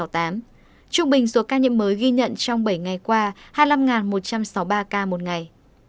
trung bình số ca nhiễm mới ghi nhận trong bảy ngày qua hai mươi năm một trăm sáu mươi ba ca một ngày